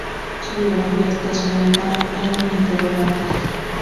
Su biografía está sumida en interrogantes.